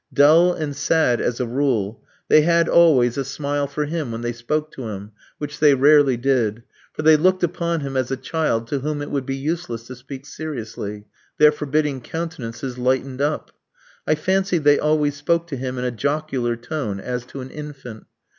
Dull and sad as a rule, they had always a smile for him when they spoke to him, which they rarely did for they looked upon him as a child to whom it would be useless to speak seriously their forbidding countenances lightened up. I fancied they always spoke to him in a jocular tone, as to an infant.